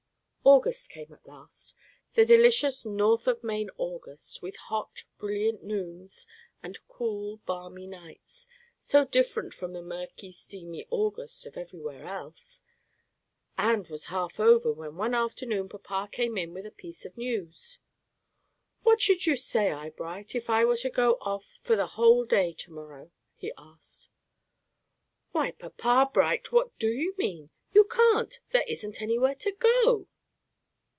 August came at last, the delicious north of Maine August, with hot, brilliant noons, and cool, balmy nights, so different from the murky, steamy August of everywhere else, and was half over, when one afternoon papa came in with a piece of news. "What should you say, Eyebright, if I were to go off for the whole day to morrow?" he asked. "Why, papa Bright, what do you mean? You can't! There isn't anywhere to go to."